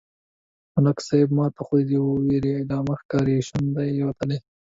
_ملک صيب! ماته خو د وېرې علامه ښکاري، شونډه يې وتلې ده.